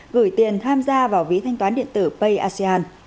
gửi tiền tham gia vào ví thanh toán điện tử paya